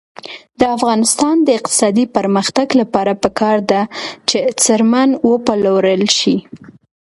د افغانستان د اقتصادي پرمختګ لپاره پکار ده چې څرمن وپلورل شي.